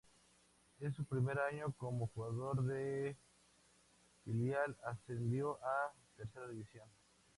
En su primer año como jugador del filial ascendió a Tercera División.